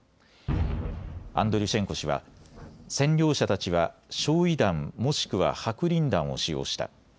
アンドリュシェンコ氏は占領者たちは焼い弾、もしくは白リン弾を使用した。